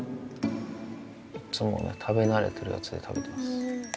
食べ慣れてるやつで食べてます。